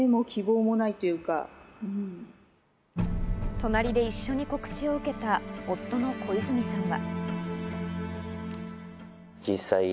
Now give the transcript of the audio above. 隣で一緒に告知を受けた夫の小泉さんは。